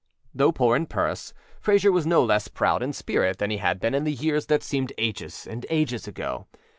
Though poor in purse, Frayser was no less proud in spirit than he had been in the years that seemed ages and ages ago.